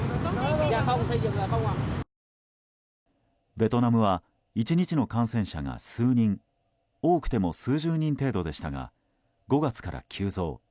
ベトナムは１日の感染者が数人多くても数十人程度でしたが５月から急増。